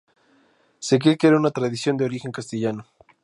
Se cree que era una tradición de origen castellano.